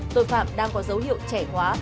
tội phạm đang có dấu hiệu trẻ quá